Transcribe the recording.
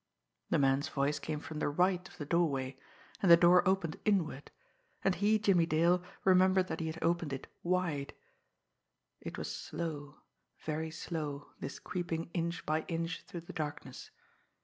The man's voice came from the right of the doorway and the door opened inward and he, Jimmie Dale, remembered that he had opened it wide. It was slow, very slow, this creeping inch by inch through the darkness.